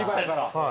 はい。